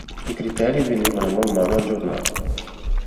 I criteri venivano man mano "aggiornati".